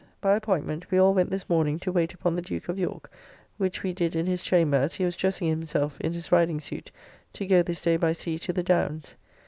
By appointment, we all went this morning to wait upon the Duke of York, which we did in his chamber, as he was dressing himself in his riding suit to go this day by sea to the Downs.